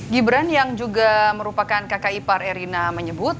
gibran yang juga merupakan kakak ipar erina menyebut